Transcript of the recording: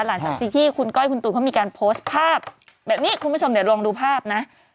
หลังจากที่คุณก้อยคุณตูนเขามีการโพสต์ภาพแบบนี้คุณผู้ชมเดี๋ยวลองดูภาพนะ